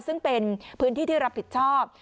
ซึ่งเป็นพื้นที่ที่รับผิดชอบ